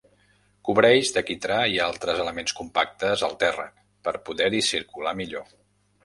Cobreix de quitrà i altres elements compactes el terra per poder-hi circular millor.